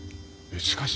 しかし。